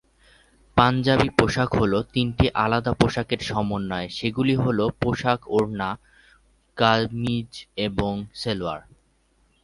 পাঞ্জাবি পোশাক হল তিনটি আলাদা পোশাকের সমন্বয়, সেগুলি হল মাথার ওড়না, কামিজ এবং সালোয়ার।